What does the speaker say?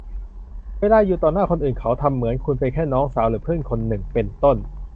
เวลาอยู่ต่อหน้าคนอื่นเขาทำเหมือนคุณเป็นแค่น้องสาวหรือเพื่อนคนหนึ่ง เป็นต้น